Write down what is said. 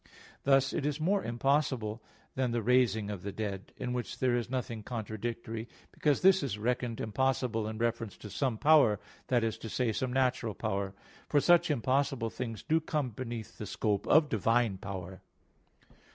Thus, it is more impossible than the raising of the dead; in which there is nothing contradictory, because this is reckoned impossible in reference to some power, that is to say, some natural power; for such impossible things do come beneath the scope of divine power.